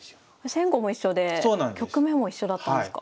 先後も一緒で局面も一緒だったんですか？